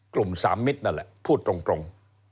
สามมิตรนั่นแหละพูดตรง